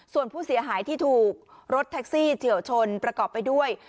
ส่วนผู้เสียหายที่ถูกรถแท็กซี่เฉียวชนประกอบไปด้วย